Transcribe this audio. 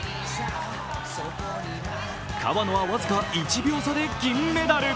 河野は僅か１秒差で銀メダル。